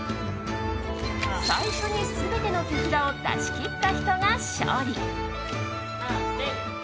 最初に全ての手札を出し切った人が勝利。